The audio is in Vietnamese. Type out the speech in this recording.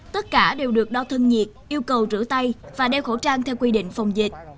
tất cả đều được đo thân nhiệt yêu cầu rửa tay và đeo khẩu trang theo quy định phòng dịch